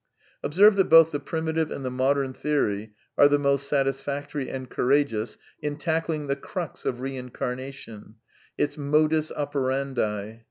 Observe that both the primitive and the modem theory are the most satisfactory and courageous in tackling the crux of reincarnation — its modus operandi.